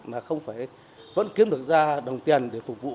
mà không phải vẫn kiếm được ra đồng tiền để phục vụ cho cuộc sống